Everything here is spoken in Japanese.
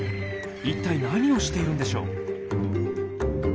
一体何をしているんでしょう？